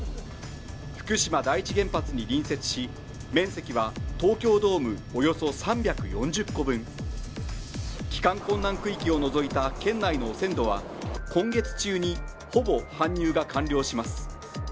福島第１原発に隣接し面積は東京ドームおよそ３４０個分帰還困難区域を除いた県内の汚染土は今月中にほぼ搬入が完了します